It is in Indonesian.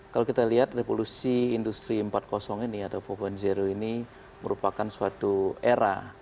kalau kita lihat revolusi industri empat ini merupakan suatu era